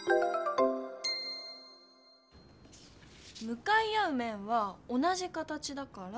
むかい合うめんは同じ形だから。